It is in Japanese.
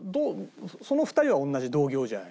その２人は同じ同業じゃない。